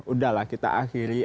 udah lah kita akhiri